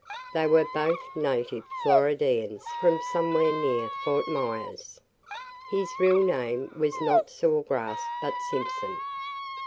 They were both native Floridians from somewhere near Fort Myers. His real name was not Saw Grass but Simpson.